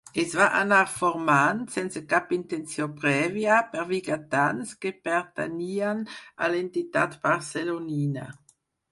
Es va anar formant, sense cap intenció prèvia, per vigatans que pertanyien a l'entitat barcelonina.